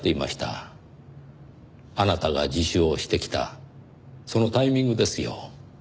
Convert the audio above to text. あなたが自首をしてきたそのタイミングですよ。